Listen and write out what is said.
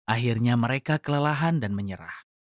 akhirnya mereka kelelahan dan menyerah